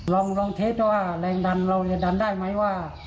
ลองเทสว่าแรงดันเราจะดันได้ไหมว่า